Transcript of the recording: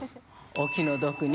お気の毒に。